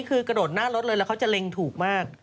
คือกระโดดหน้ารถเลยแล้วเขาจะเล็งถูกมาก